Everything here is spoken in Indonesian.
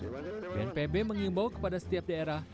bnpb mengimbau kepada setiap daerah